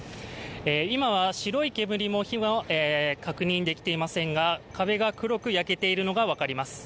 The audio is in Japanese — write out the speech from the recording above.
今は白い煙も火も確認できていませんが壁が黒く焼けているのが分かります。